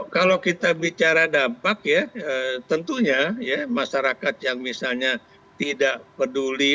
kalau kita bicara dampak ya tentunya ya masyarakat yang misalnya tidak peduli